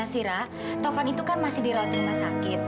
andara taufan itu kan masih di rumah sakit